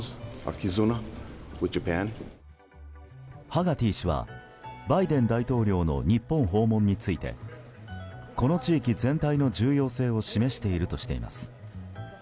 ハガティ氏はバイデン大統領の日本訪問についてこの地域全体の重要性を示しているとしています。